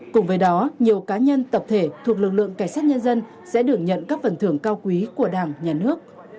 cùng với đó nhiều cá nhân tập thể thuộc lực lượng cảnh sát nhân dân sẽ được nhận các phần thưởng cao quý của đảng nhà nước